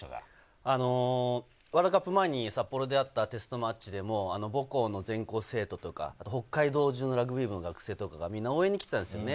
ワールドカップ前に札幌であったテストマッチでも、母校の全校生徒とか、北海道中のラグビー部の学生とか、みんな応援に来てたんですよね。